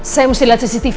saya mesti liat cctv